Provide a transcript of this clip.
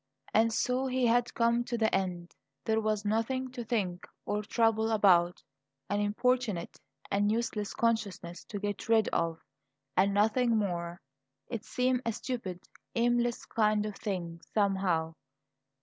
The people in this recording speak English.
And so he had come to the end. There was nothing to think or trouble about; an importunate and useless consciousness to get rid of and nothing more. It seemed a stupid, aimless kind of thing, somehow.